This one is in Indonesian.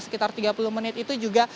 sekitar tiga puluh menit itu juga